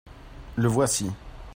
le voici.